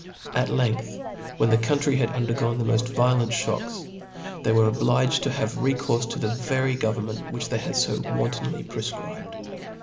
At length, whren the country had undergone the moft violent (hocks, they were obliged to have recourfe to the very government which they had fo wantonly profcribed.